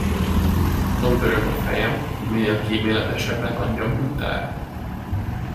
Csak azon töröm a fejem, hogy minél kíméletesebben adjam tudtára.